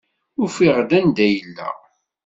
Ufiɣ-d anda ay yella.